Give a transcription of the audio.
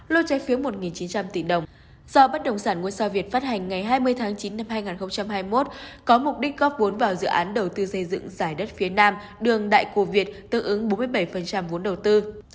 lô trái phiếu một chín trăm linh tỷ đồng do bất động sản ngôi sao việt phát hành ngày hai mươi tháng chín năm hai nghìn hai mươi một có mục đích góp vốn vào dự án đầu tư xây dựng giải đất phía nam đường đại cổ việt tương ứng bốn mươi bảy vốn đầu tư